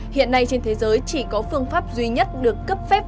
hiện nay trên thế giới chỉ có phương pháp duy nhất được cấp phép